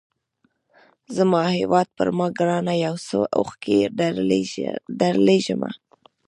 زما هیواده پر ما ګرانه یو څو اوښکي درلېږمه